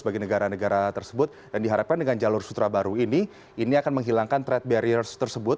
bagi negara negara tersebut dan diharapkan dengan jalur sutra baru ini ini akan menghilangkan trade barriers tersebut